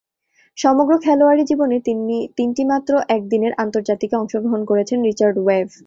সমগ্র খেলোয়াড়ী জীবনে তিনটিমাত্র একদিনের আন্তর্জাতিকে অংশগ্রহণ করেছেন রিচার্ড ওয়েব।